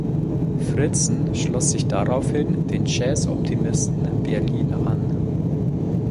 Fritzen schloss sich daraufhin den Jazz Optimisten Berlin an.